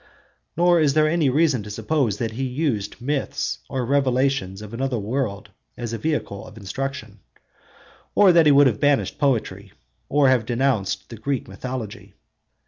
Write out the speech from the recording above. nor is there any reason to suppose that he used myths or revelations of another world as a vehicle of instruction, or that he would have banished poetry or have denounced the Greek mythology.